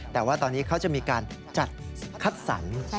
แต่ว่าตอนนี้เขาจะมีการจัดคัดสรร